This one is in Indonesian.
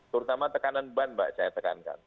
terutama tekanan ban mbak saya tekankan